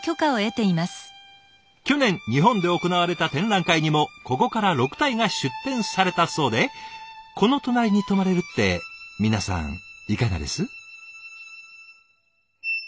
去年日本で行われた展覧会にもここから６体が出展されたそうでこの隣に泊まれるって皆さんいかがです？